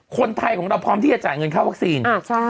คนไทยของเราพร้อมที่จะจ่ายเงินค่าวัคซีน